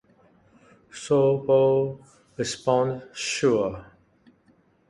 '" Sobol responded "Sure.